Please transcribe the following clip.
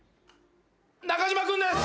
中島君です！